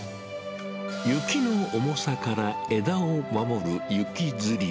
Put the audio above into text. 雪の重さから枝を守る雪吊り。